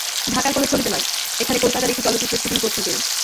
ঢাকার কোনো ছবিতে নয়, এখানে কলকাতার একটি চলচ্চিত্রের শুটিং করছেন তিনি।